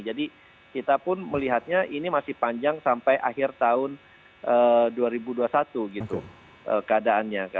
jadi kita pun melihatnya ini masih panjang sampai akhir tahun dua ribu dua puluh satu gitu keadaannya